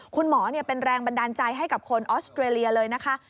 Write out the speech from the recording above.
คุณหมอเป็นแรงบันดาลใจให้กับคนออสเตรเลียเลยนะคะ